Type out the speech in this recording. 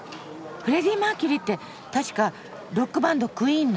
フレディ・マーキュリーって確かロックバンドクイーンの？